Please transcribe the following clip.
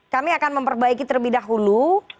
kami akan memperbaiki terlebih dahulu